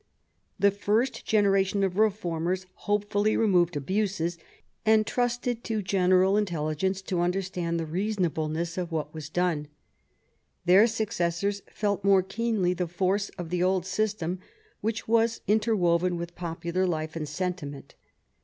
The first genera tion of reformers hopefully removed abuses, and trusted to general intelligence to understand the reasonableness of what was done. Their successors felt more keenly the force of the old system, which was interwoven with popular life and sentiment.